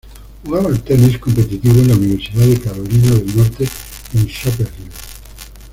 Jugaba al tenis competitivo en la Universidad de Carolina del Norte en Chapel Hill.